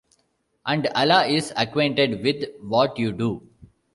And Allah is Acquainted with what you do.